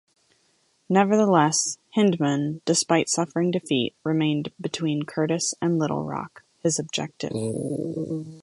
Nevertheless, Hindman, despite suffering defeat, remained between Curtis and Little Rock, his objective.